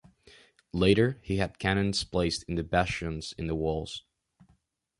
Later he had cannons placed in the bastions on the walls.